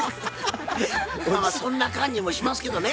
そんな感じもしますけどね。